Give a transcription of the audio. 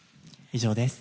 以上です。